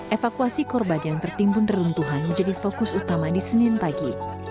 evakuasi korban yang tertimbun reruntuhan menjadi fokus utama di senin pagi